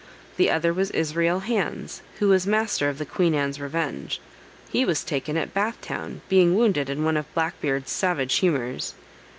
The other was Israel Hands, who was master of the Queen Anne's Revenge; he was taken at Bath town, being wounded in one of Black Beard's savage humors.